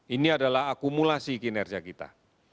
ini adalah akumulasi kinerja kita